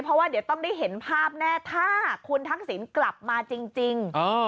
เพราะว่าเดี๋ยวต้องได้เห็นภาพแน่ถ้าคุณทักษิณกลับมาจริง